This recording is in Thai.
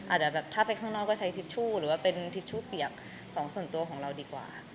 อาจจะแบบถ้าไปข้างนอกก็ใช้ทิชชู่หรือว่าเป็นทิชชู่เปียกของส่วนตัวของเราดีกว่า